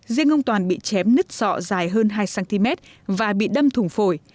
riêng ông toàn bị chém nứt sọ dài hơn hai cm và bị đâm thủng phổi